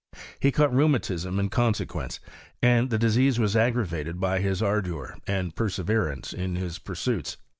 He caught rheumatina in consequence, and the disease was aggravated by his ardour and perseverance in his pursuits.